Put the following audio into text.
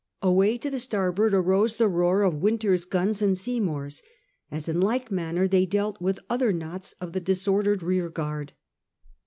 Away to the starboard arose the roar of Wynter's guns and Seymour's, as in like manner they dealt with other knots of the disordered rearguard.